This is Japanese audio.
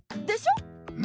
でしょ？